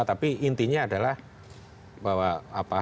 tapi intinya adalah bahwa halangan halangan administrasi